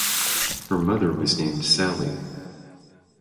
Her mother was named Sally.